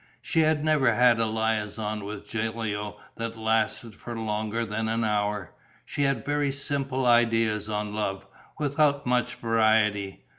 She had never had a liaison with Gilio that lasted for longer than an hour. She had very simple ideas on love, without much variety.